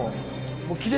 もう。